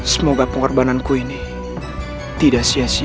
semoga pengorbananku ini tidak sia sia